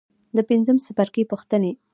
د پنځم څپرکي پوښتنې.